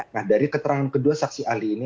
nah dari keterangan kedua saksi ahli ini